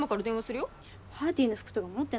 パーティーの服とか持ってないしさ。